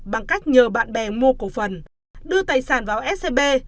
bằng cách nhờ bạn bè mua cổ phần đưa tài sản vào scb